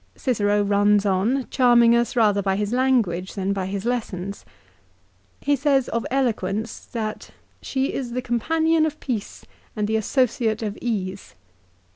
Cicero runs on, charming us rather by his language than by his lessons. He says of eloquence that " she is the companion CICERO'S RHETORIC. 325 of peace, and the associate of ease."